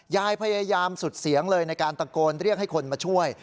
ยายพยายามสุดเสียงเลยในการตะโกนเรียกให้คนมาช่วย